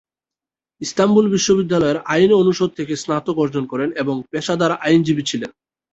Istanbul বিশ্ববিদ্যালয়ের আইন অনুষদ থেকে স্নাতক অর্জন করেন এবং পেশাদার আইনজীবী ছিলেন।